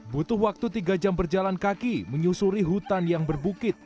butuh waktu tiga jam berjalan kaki menyusuri hutan yang berbukit